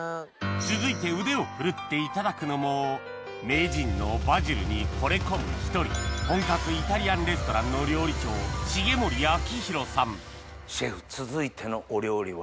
続いて腕を振るっていただくのも名人のバジルにほれ込む一人本格シェフ続いてのお料理は？